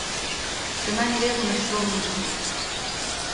Dema aniré a Monistrol de Montserrat